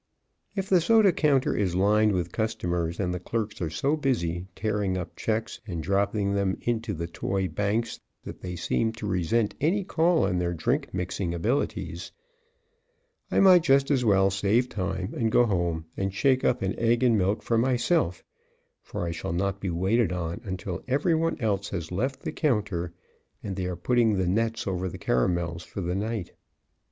If the soda counter is lined with customers and the clerks so busy tearing up checks and dropping them into the toy banks that they seem to resent any call on their drink mixing abilities, I might just as well save time and go home and shake up an egg and milk for myself, for I shall not be waited on until every one else has left the counter and they are putting the nets over the caramels for the night.